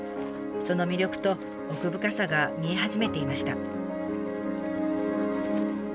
その魅力と奥深さが見え始めていました。